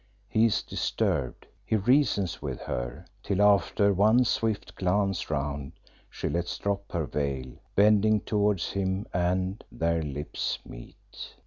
He is disturbed; he reasons with her, till, after one swift glance round, she lets drop her veil, bending towards him and their lips meet.